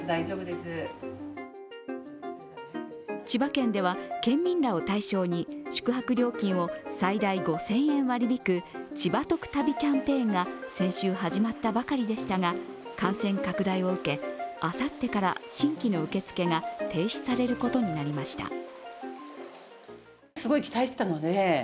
千葉県では県民らを対象に宿泊料金を最大５０００円割り引く千葉とく旅キャンペーンが先週始まったばかりでしたが、感染拡大を受け、あさってから新規の受け付けが停止されることになりました。